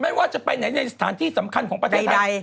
ไม่ว่าจะไปไหนในสถานที่สำคัญของประเทศไทย